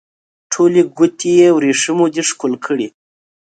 ټولې ګوتې یې وریښمو دي ښکل کړي